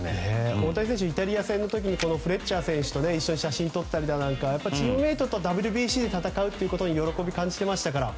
大谷選手はイタリア戦の時にフレッチャー選手と一緒に写真を撮ったりとかチームメートとＷＢＣで戦うことに喜びを感じていましたから。